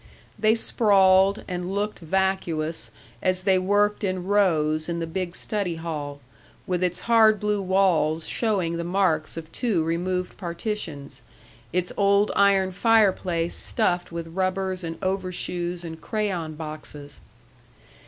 They sprawled and looked vacuous as they worked in rows in the big study hall, with its hard blue walls showing the marks of two removed partitions, its old iron fireplace stuffed with rubbers and overshoes and crayon boxes.